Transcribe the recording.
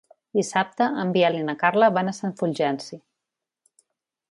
Dissabte en Biel i na Carla van a Sant Fulgenci.